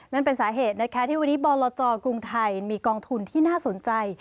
นั่นเป็นสาเหตุนะคะที่วันนี้บรจกรุงไทยมีกองทุนที่น่าสนใจ